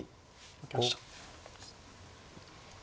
負けました。